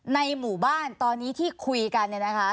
ในหมู่บ้านตอนนี้ที่คุยกันเนี่ยนะคะ